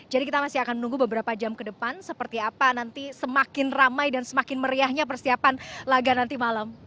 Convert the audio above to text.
jadi kita masih akan menunggu beberapa jam ke depan seperti apa nanti semakin ramai dan semakin meriahnya persiapan laga nanti malam